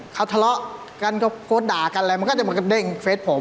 เขาทระละพอโพสต์ด่ากันมันก็จะมาเต้มเฟซผม